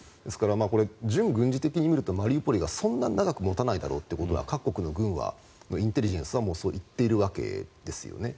これ、準軍事的に見るとマリウポリはそんな長くは持たないだろうと各国の軍のインテリジェンスはそう言っているわけですよね。